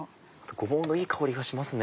ごぼうのいい香りがしますね。